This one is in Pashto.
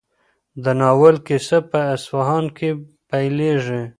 د ناول کیسه په اصفهان کې پیلېږي.